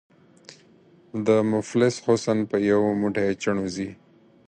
” د مفلس حُسن په یو موټی چڼو ځي”